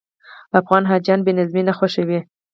افغان حاجیان بې نظمي نه خوښوي.